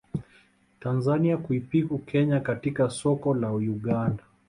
Tanzania kuipiku Kenya katika soko la Uganda